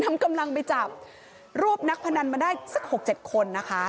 นำกำลังไปจับรวบนักพนันมาได้สักหกเจ็ดคนนะคะ